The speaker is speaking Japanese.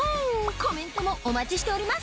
コメントもお待ちしております！